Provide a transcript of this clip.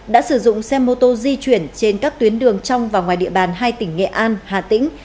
đã sử dụng xe mô tô di chuyển trên các tuyến đường trong và ngoài địa bàn hai tỉnh nghệ an hà tĩnh